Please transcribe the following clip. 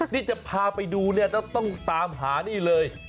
นี่จะพาไปดูเนี่ยต้องตามหานี่เลย